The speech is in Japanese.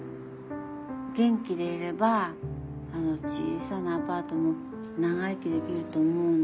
元気でいればあの小さなアパートも長生きできると思うの。